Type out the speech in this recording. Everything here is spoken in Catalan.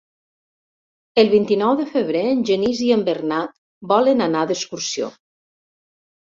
El vint-i-nou de febrer en Genís i en Bernat volen anar d'excursió.